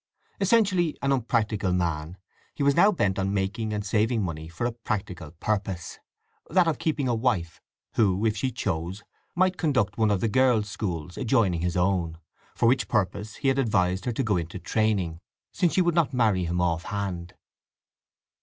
Essentially an unpractical man, he was now bent on making and saving money for a practical purpose—that of keeping a wife, who, if she chose, might conduct one of the girls' schools adjoining his own; for which purpose he had advised her to go into training, since she would not marry him offhand.